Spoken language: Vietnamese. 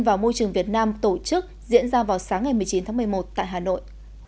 và môi trường việt nam tổ chức diễn ra vào sáng ngày một mươi chín tháng một mươi một tại hà nội